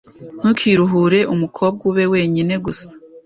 Ntukiruhure umukobwa ube wenyine gusa